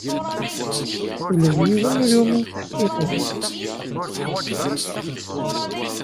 Ula d yiwen ur yumin taḥkayt-nwent.